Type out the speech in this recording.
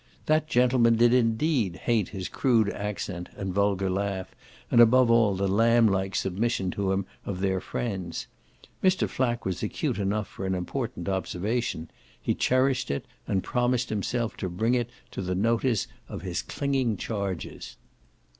That gentleman did indeed hate his crude accent and vulgar laugh and above all the lamblike submission to him of their friends. Mr. Flack was acute enough for an important observation: he cherished it and promised himself to bring it to the notice of his clinging charges.